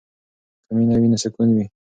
که مینه وي نو سکون وي.